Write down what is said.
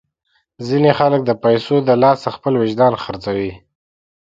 ځینې خلک د پیسو د لاسه خپل وجدان خرڅوي.